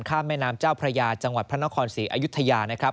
ข้ามแม่น้ำเจ้าพระยาจังหวัดพระนครศรีอยุธยา